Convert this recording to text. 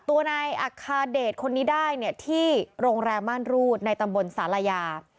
ตัวนายอัคคาเดชคนนี้ได้เนี่ยที่โรงแรมม่านรูดในตำบลศาลายา